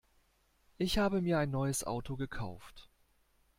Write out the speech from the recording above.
Ich habe mir ein neues Auto gekauft.